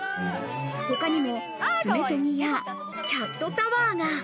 他にも、爪とぎや、キャットタワーが。